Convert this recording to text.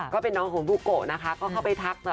ก็เป็นน้องของบูโกะนะคะก็เข้าไปทัก